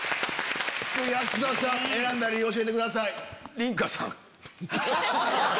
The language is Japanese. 安田さん選んだ理由を教えてください。